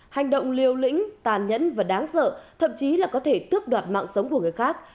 hành động liều lĩnh tàn nhẫn và đáng sợ thậm chí là có thể tước đoạt mạng sống của người khác